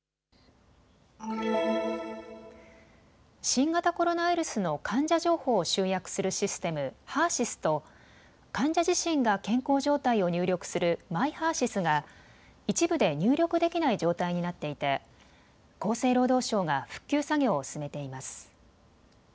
新型コロナウイルスの患者情報を集約するシステム、ＨＥＲーＳＹＳと患者自身が健康状態を入力するＭｙＨＥＲ−ＳＹＳが一部で入力できない状態になっていて厚生労働省が復旧作業を進めています。